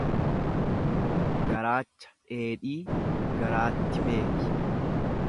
Garaacha dheedhii garaatti beeki.